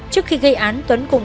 trước khi gây án